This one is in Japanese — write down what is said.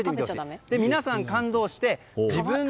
そして皆さん、感動して。